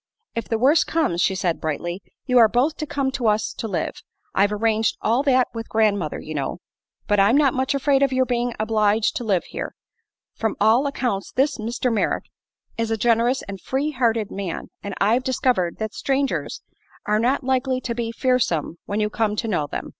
"If the worst comes," she said, brightly, "you are both to come to us to live. I've arranged all that with grandmother, you know. But I'm not much afraid of your being obliged to leave here. From all accounts this Mr. Merrick is a generous and free hearted man, and I've discovered that strangers are not likely to be fearsome when you come to know them.